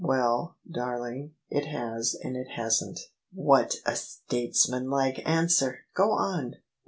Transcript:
" Well, darling, it has and it hasn't" "What a statesmanlike answer! Go on."